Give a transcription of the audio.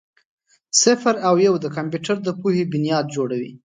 صفر او یو د کمپیوټر د پوهې بنیاد جوړوي.